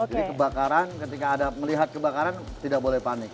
jadi kebakaran ketika ada melihat kebakaran tidak boleh panik